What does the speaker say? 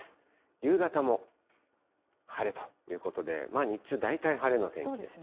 夕方も晴れということで、日中、大体晴れの天気ですね。